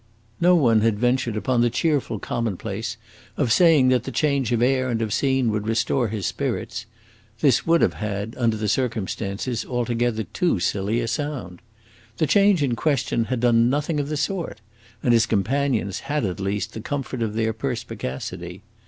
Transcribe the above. No one had ventured upon the cheerful commonplace of saying that the change of air and of scene would restore his spirits; this would have had, under the circumstances, altogether too silly a sound. The change in question had done nothing of the sort, and his companions had, at least, the comfort of their perspicacity.